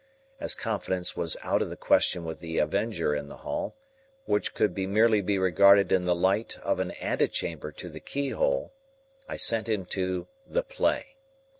As confidence was out of the question with The Avenger in the hall, which could merely be regarded in the light of an antechamber to the keyhole, I sent him to the Play.